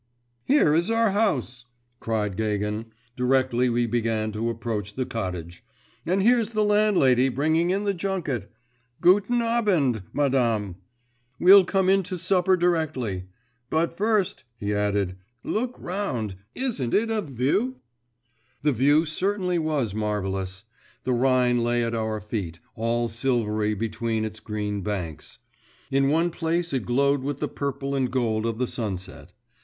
'Here is our house!' cried Gagin, directly we began to approach the cottage, 'and here's the landlady bringing in the junket. Guten Abend, Madame!… We'll come in to supper directly; but first,' he added, 'look round … isn't it a view?' The view certainly was marvellous. The Rhine lay at our feet, all silvery between its green banks; in one place it glowed with the purple and gold of the sunset.